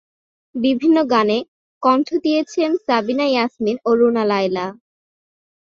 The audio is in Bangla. বিভিন্ন গানে কণ্ঠ দিয়েছেন সাবিনা ইয়াসমিন ও রুনা লায়লা।